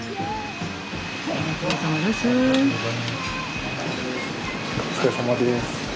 お疲れさまです。